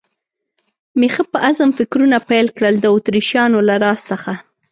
مې ښه په عزم فکرونه پیل کړل، د اتریشیانو له راز څخه.